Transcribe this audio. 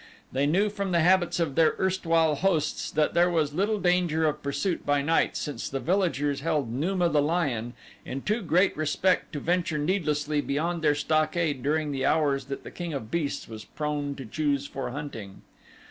They knew from the habits of their erstwhile hosts that there was little danger of pursuit by night since the villagers held Numa, the lion, in too great respect to venture needlessly beyond their stockade during the hours that the king of beasts was prone to choose for hunting.